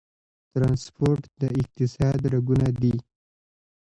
ټرانسپورټ د اقتصاد رګونه دي